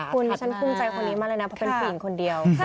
คุณดิฉันคุ้มใจคนนี้มากเลยนะเพราะเป็นผู้หญิงคนเดียว